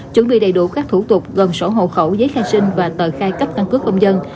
chuẩn bị đầy đủ các thủ tục gần sổ hộ khẩu giấy khai sinh và tờ khai cấp căn cước công dân